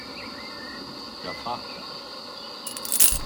Dafatta!